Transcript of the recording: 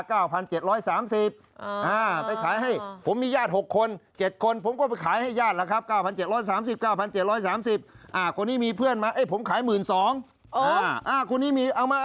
คือเขาก็มองว่าราคาเต็มเท่านี้